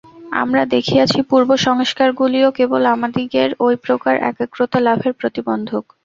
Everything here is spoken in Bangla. আমরা দেখিয়াছি, পূর্বসংস্কারগুলিই কেবল আমাদিগের ঐ প্রকার একাগ্রতা লাভের প্রতিবন্ধক।